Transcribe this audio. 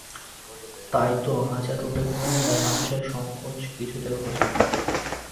তাই তো হাজার রূপে গুণেও মেয়েমানুষের সংকোচ কিছুতে ঘোচে না।